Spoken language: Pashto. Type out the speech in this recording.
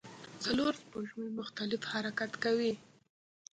څلور سپوږمۍ مختلف حرکت کوي.